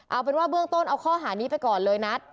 เอาเป็นว่าเบื้องต้นเอาข้อหานี้ไปก่อนเลยนัด